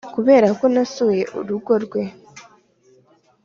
kuberako nasuye urugo rwe,